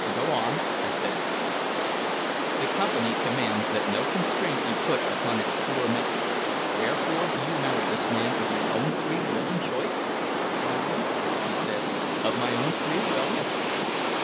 "Go on," I said briefly. "The Company commands that no constraint be put upon its poor maids. Wherefore, do you marry this man of your own free will and choice?" "Ay," she said, "of my own free will."